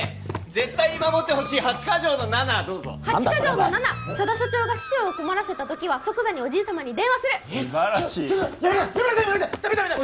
絶対に守ってほしい８カ条の７どうぞ８カ条の７佐田所長が師匠を困らせた時は即座におじい様に電話する素晴らしいやめなさいやめなさい！